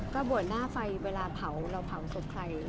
ก็บวชหน้าไฟเวลาเผาเราเผาศพใคร